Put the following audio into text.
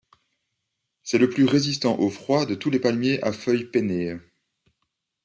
C’est le plus résistant au froid de tous les palmiers à feuilles pennées.